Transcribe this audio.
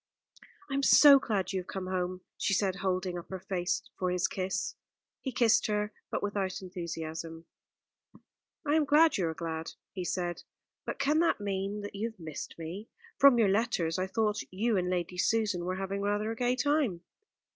"I am so glad you have come home," she said, holding up her face for his kiss. He kissed her, but without enthusiasm. "I am glad you are glad," he said, "but can that mean that you have missed me? From your letters I thought you and Lady Susan were having rather a gay time."